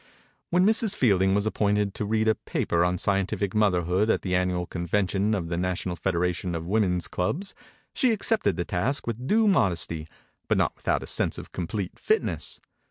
When Mrs. Fielding was ap pointed to read a paper on Scientific Motherhood at the an nual convention of the national federation of Women's clubs, she accepted the task with due modesty but not without a sense of complete fitness.